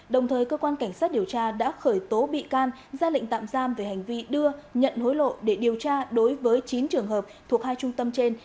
đồng thời cơ quan cảnh sát điều tra đã khởi tố bị can ra lệnh tạm giam về hành vi đưa nhận hối lộ để điều tra đối với chín trường hợp thuộc hai trung tâm trên